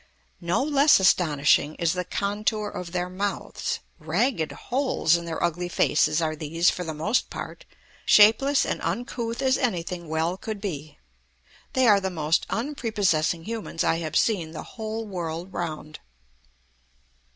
No less astonishing is the contour of their mouths; ragged holes in their ugly faces are these for the most part, shapeless and uncouth as anything well could be. They are the most unprepossessing humans I have seen the whole world round.